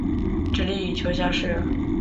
直隶乙酉乡试。